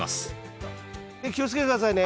手気をつけて下さいね。